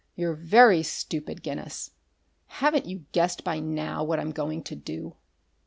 "You're very stupid, Guinness. Haven't you guessed by now what I'm going to do?"